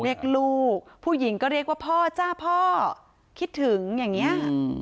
เรียกลูกผู้หญิงก็เรียกว่าพ่อจ้าพ่อคิดถึงอย่างนี้